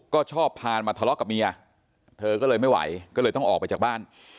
ก็ชอบพามาทะเลาะกับเมียเธอก็เลยไม่ไหวก็เลยต้องออกไปจากบ้าน